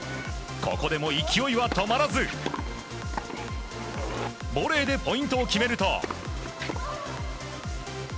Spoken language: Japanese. ここでも勢いは止まらずボレーでポイントを決めると。